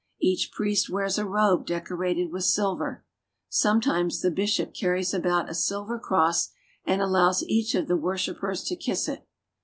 Each priest wears a robe decorated with silver. Sometimes the bishop carries about a silver cross and allows each of the worshipers to kiss it.